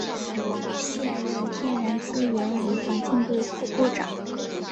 现任天然资源与环境部副部长。